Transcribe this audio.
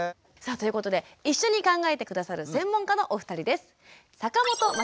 さあということで一緒に考えて下さる専門家のお二人です。